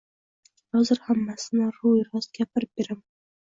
Hozir hammasini ro`y-rost gapirib beraman